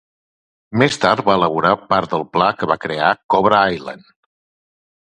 Més tard va elaborar part del pla que va crear Cobra Island.